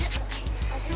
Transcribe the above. terima kasih bang